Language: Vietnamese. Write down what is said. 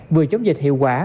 vừa chống dịch hiệu quả